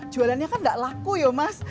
jualannya kan enggak laku yo mas